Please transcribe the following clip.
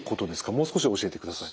もう少し教えてください。